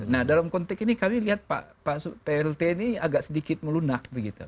nah dalam konteks ini kami lihat pak plt ini agak sedikit melunak begitu